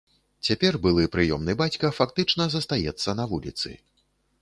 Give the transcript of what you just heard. Цяпер былы прыёмны бацька фактычна застаецца на вуліцы.